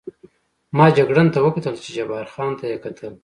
ما جګړن ته وکتل، چې جبار خان ته یې کتل.